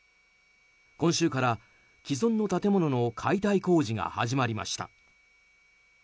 今週から既存の建物の解体工事が始まりました。